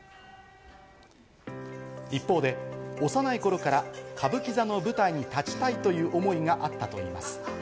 一方で、幼い頃から歌舞伎座の舞台に立ちたいという思いがあったといいます。